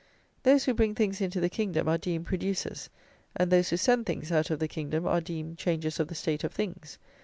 Those who bring things into the kingdom are deemed producers, and those who send things out of the kingdom are deemed changers of the state of things.